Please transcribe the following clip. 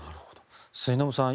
末延さん